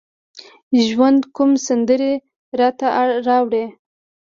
ژوند کوم سندرې راته راوړه